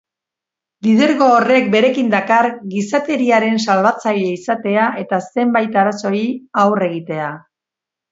Lidergo horrek berekin dakar gizateriaren salbatzaile izatea eta zenbait arazori aurre egitea.